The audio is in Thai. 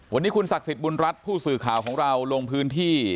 วันนี้คุณศักดิ์สิทธิ์บุญรัฐผู้สื่อข่าวของเราลงพื้นที่